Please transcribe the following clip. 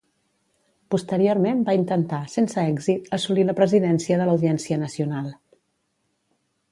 Posteriorment va intentar -sense èxit- assolir la Presidència de l'Audiència Nacional.